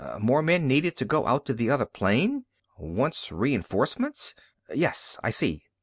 More men needed to go out to the other plane. Wants reinforcements. Yes. I see.